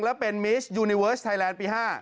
และเป็นมิสยูนิเวิร์สไทยแลนด์ปี๕